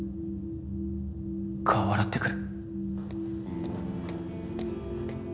顔洗ってくる。